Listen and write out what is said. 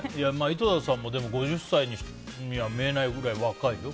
井戸田さんも５０歳には見えないぐらい若いよ。